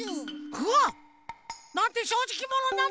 うわっ！なんてしょうじきものなのでしょう！